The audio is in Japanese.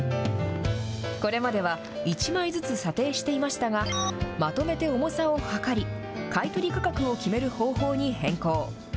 これまでは、１枚ずつ査定していましたが、まとめて重さを量り、買い取り価格を決める方法に変更。